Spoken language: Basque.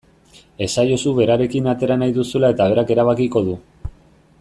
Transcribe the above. Esaiozu berarekin atera nahi duzula eta berak erabakiko du.